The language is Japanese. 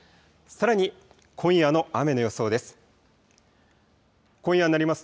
さらに今夜の雨の予想です。